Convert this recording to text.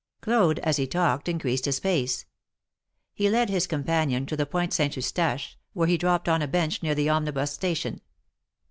Claude, as he talked, increased his pace; he led his companion to the Pointe Saint Eustache, where he dropped on a bench near the omnibus station.